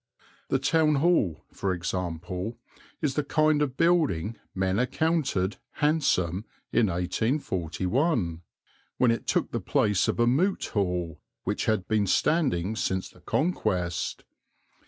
The Town Hall, for example, is the kind of building men accounted "handsome" in 1841, when it took the place of a Moot Hall which had been standing since the Conquest.